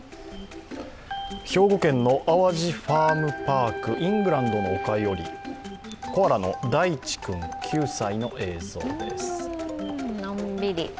兵庫県の淡路ファームパークイングランドの丘よりコアラのだいち君、９歳の映像です。